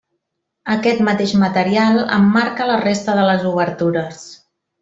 Aquest mateix material emmarca la resta de les obertures.